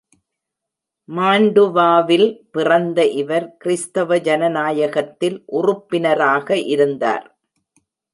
மான்டுவாவில் பிறந்த இவர் கிறிஸ்தவ ஜனநாயகத்தில் உறுப்பினராக இருந்தார்.